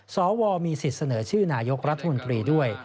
สวมีสิทธิ์เสนอชื่อนายกรัฐมนตรีด้วย